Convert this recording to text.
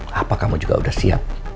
adakah kamu sudah siap